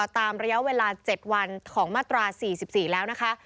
ตามระยะเวลา๗วันของมาตรา๔๔แล้วนะคะ